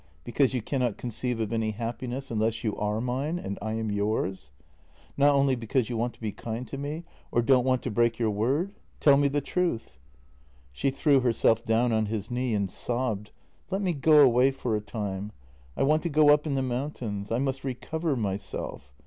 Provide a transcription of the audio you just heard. Because you cannot conceive of any happiness unless you are mine and I am yours? Not only be cause you want to be kind to me or don't want to break your word — tell me the truth." She threw herself down on his knee and sobbed: "Let me go away for a time. I want to go up in the mountains. I must recover myself.